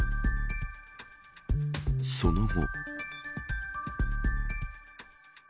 その後。